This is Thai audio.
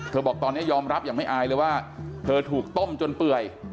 บอกตอนนี้ยอมรับอย่างไม่อายเลยว่าเธอถูกต้มจนเปื่อย